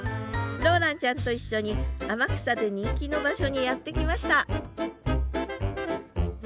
ローランちゃんと一緒に天草で人気の場所にやって来ました